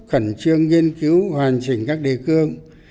khẩn trương nghiên cứu hoàn chỉnh các đề cương